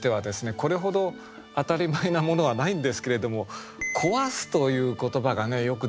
これほど当たり前なものはないんですけれども「こはす」という言葉がねよく出たなと思いますね。